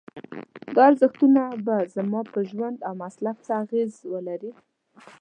دا ارزښتونه به زما په ژوند او مسلک څه اغېز ولري؟